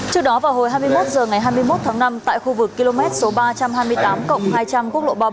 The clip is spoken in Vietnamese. trước đó vào hồi hai mươi một h ngày hai mươi một tháng năm tại khu vực km ba trăm hai mươi tám cộng hai trăm linh quốc lộ ba mươi